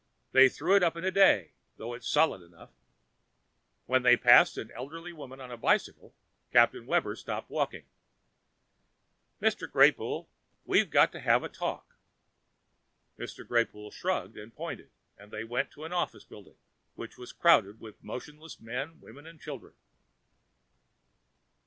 "They threw it up in a day, though it's solid enough." When they had passed an elderly woman on a bicycle, Captain Webber stopped walking. "Mr. Greypoole, we've got to have a talk." Mr. Greypoole shrugged and pointed and they went into an office building which was crowded with motionless men, women and children.